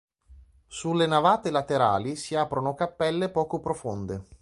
Sulle navate laterali si aprono cappelle poco profonde.